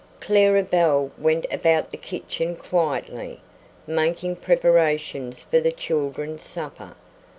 Clara Belle went about the kitchen quietly, making preparations for the children's supper.